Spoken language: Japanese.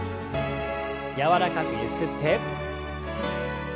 柔らかくゆすって。